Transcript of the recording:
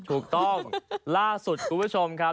ถูกต้องล่าสุดคุณผู้ชมครับ